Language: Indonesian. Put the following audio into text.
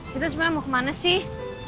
kita sebenarnya mau ke mana sih